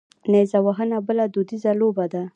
نیره وهنه بله دودیزه لوبه ده.